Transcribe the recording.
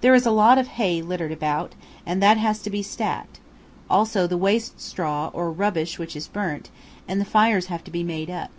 There is a lot of hay littered about, and that has to be stacked; also the waste straw or rubbish which is burnt, and the fires have to be made up.